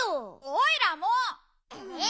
おいらも！え？